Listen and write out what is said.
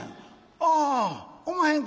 「ああおまへんか。